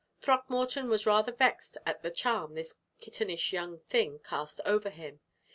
Throckmorton was rather vexed at the charm this kittenish young thing cast over him.